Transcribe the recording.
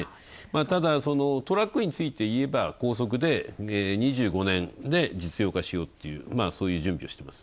ただ、トラックについて言えば高速で２５年で実用化しようっていうそういう準備をしてます。